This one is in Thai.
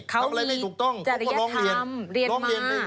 เขามีจริยธรรมเรียนมา